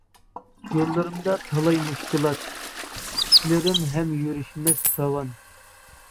يوللىرىمدا تالاي مۈشكۈلات، ئىشلىرىم ھەم يۈرۈشمەس راۋان.